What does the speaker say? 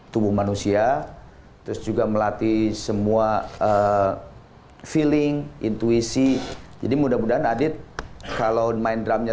tsubushi arah terus juga melatih semua eh feeling intuisi jadi mudah mudahan adip kalau main gramnya